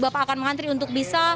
bapak akan mengantri untuk bisa